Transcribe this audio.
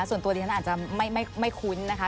ส่วนตัวดิฉันอาจจะไม่คุ้นนะคะ